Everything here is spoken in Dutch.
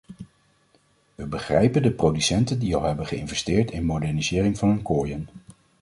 We begrijpen de producenten die al hebben geïnvesteerd in modernisering van hun kooien.